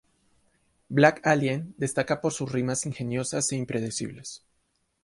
Black Alien destaca por sus rimas ingeniosas e imprevisibles.